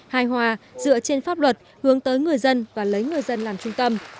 hài hòa dựa trên pháp luật hướng tới người dân và lấy người dân làm trung tâm